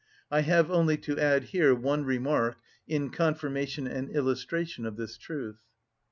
I have only to add here one remark in confirmation and illustration of this truth.